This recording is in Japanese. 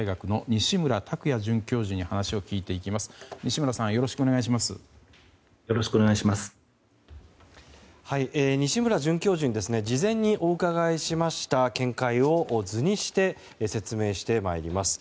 西村准教授に事前にお伺いしました見解を、図にして説明してまいります。